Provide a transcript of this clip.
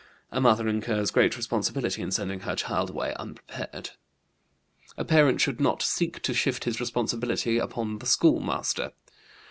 A mother incurs great responsibility in sending her child away unprepared. A parent should not seek to shift his responsibility upon the schoolmaster.